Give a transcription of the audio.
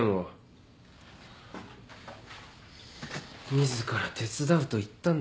自ら手伝うと言ったんだ。